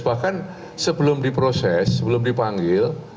bahkan sebelum diproses sebelum dipanggil